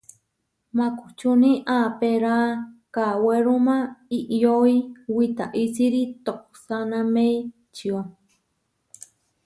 Makučúni apéra kawéruma iʼyói witaísiri tohsáname ičió.